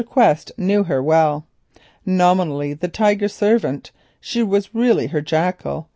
Quest knew her well. Nominally the Tiger's servant, she was really her jackal.